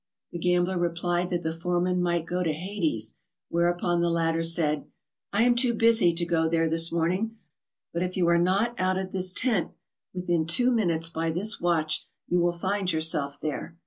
The gambler replied that the foreman might go to Hades, wherepon the latter said: " I am too busy to go there this morning, but if you are not out of this tent within two minutes by this watch you will find yourself there.